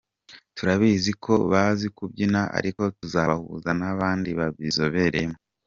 Turabizi ko bazi kubyina ariko tuzabahuza n’abandi babizobereyemo.